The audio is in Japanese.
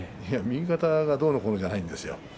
右肩がどうのこうのではないんですよ。